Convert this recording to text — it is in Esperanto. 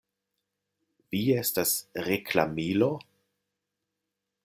Vi estas reklamilo!?